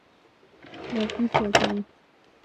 لرګي سوځوي.